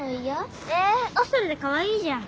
えおそろでかわいいじゃん！